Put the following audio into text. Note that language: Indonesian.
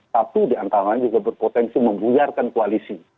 satu di antara lainnya juga berpotensi membuliarkan koalisi